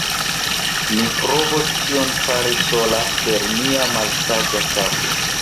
mi provos ĉion fari sola, per mia malsaĝa kapo!